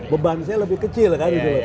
beban saya lebih kecil kan gitu loh